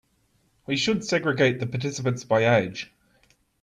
We should segregate the participants by age.